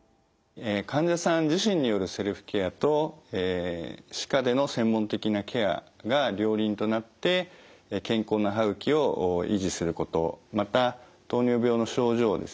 患者さん自身によるセルフケアと歯科での専門的なケアが両輪となって健康な歯ぐきを維持することまた糖尿病の症状をですね